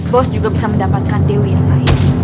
bos juga bisa mendapatkan dewi yang baik